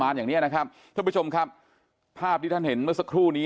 พระจารตีศพบกบันทรีพศิษภาพที่ภาพที่เห็นเมื่อสักครู่นี้